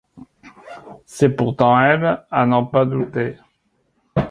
C’est pourtant elle, à n’en pas douter.